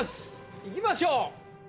いきましょう